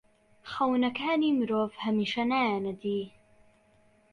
خەونەکانی مرۆڤ هەمیشە نایەنە دی.